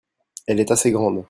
elle est assez grande.